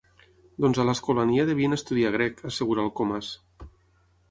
Doncs a l'Escolania devien estudiar grec —assegura el Comas—.